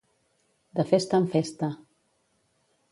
De festa en festa.